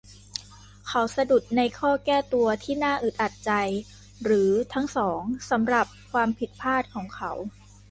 เขาสะดุดในข้อแก้ตัวที่น่าอึดอัดใจหรือทั้งสองสำหรับความผิดพลาดของเขา